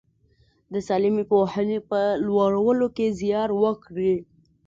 د سالمې پوهنې په لوړولو کې زیار وکړي.